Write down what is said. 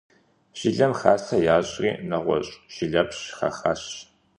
Жылэм хасэ ящӀри нэгъуэщӀ жылэпщ хахащ.